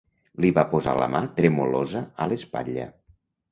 Li va posar la mà tremolosa a l'espatlla.